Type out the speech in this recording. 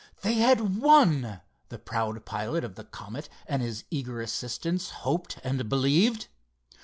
They had won, the proud pilot of the Comet and his eager assistants hoped and believed.